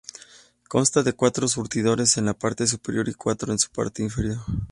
Consta de cuatro surtidores en la parte superior, y cuatro en su parte inferior.